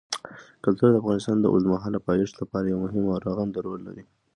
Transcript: کلتور د افغانستان د اوږدمهاله پایښت لپاره یو مهم او رغنده رول لري.